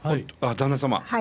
旦那様。